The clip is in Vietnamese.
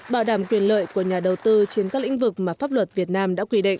bảo đảm quyền lợi của nhà đầu tư trên các lĩnh vực mà pháp luật việt nam đã quy định